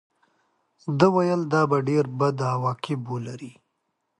ده ویل دا به ډېر بد عواقب ولري.